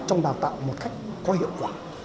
trong đào tạo một cách có hiệu quả